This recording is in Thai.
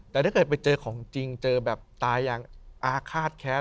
แต่ถ้าเกิดไปเจอของจริงเจอแบบตายอย่างอาฆาตแค้น